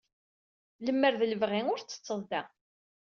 Lemmer d lebɣi ur tettetteḍ da.